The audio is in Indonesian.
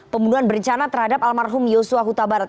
pembunuhan berencana terhadap almarhum yosua huta barat